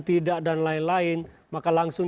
tidak dan lain lain maka langsung